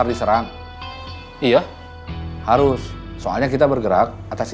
pindah ke ruang produksi